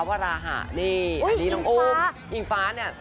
เจ้าเหลืองเหรอ